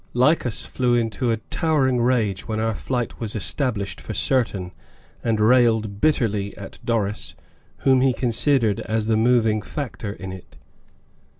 Lycas flew into a towering rage when our flight was established for certain, and railed bitterly at Doris, whom he considered as the moving factor in it.